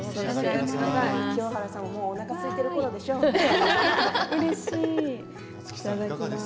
清原さんもおなかすいているころでしょう。